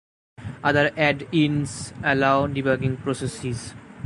Other add-ins allow debugging processes.